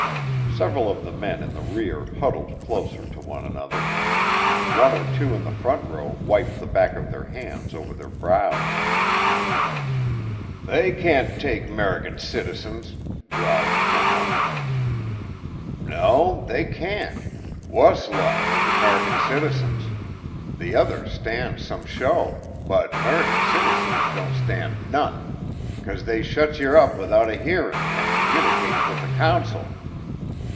Several of the men in the rear huddled closer to one another. One or two in the front row wiped the back of their hands over their brows. "They can't take 'Merican citizens," growled someone. "No, they can't wuss luck for the 'Merican citizens. The others stand some show but 'Merican citizens don't stand none. 'Cause they shets yer up without a hearin' and communicates with the consul.